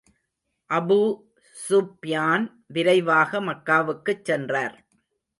Abu Sufyan விரைவாக மக்காவுக்குச் சென்றார்.